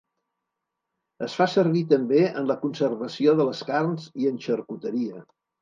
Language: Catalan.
Es fa servir també en la conservació de les carns i en xarcuteria.